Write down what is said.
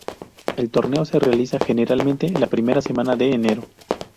El torneo se realiza generalmente la primera semana de enero.